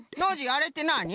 あれってなに？